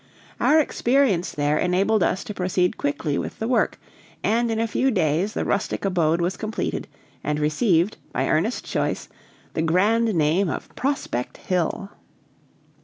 Our experience there enabled us to proceed quickly with the work, and in a few days the rustic abode was completed, and received, by Ernest's choice, the grand name of Prospect Hill.